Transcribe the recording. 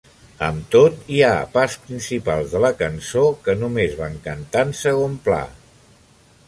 Amb tot, hi ha parts principals de la cançó que només van cantar en segon pla.